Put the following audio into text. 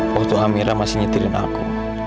waktu amira masih nyetilin aku